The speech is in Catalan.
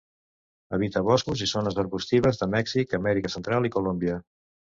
Habita boscos i zones arbustives de Mèxic, Amèrica Central i Colòmbia.